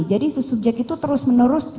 jadi si subjek itu terus menerus